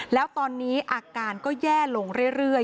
แล้วตอนนี้อาการก็แย่ลงเรื่อย